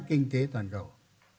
kinh tế toàn cầu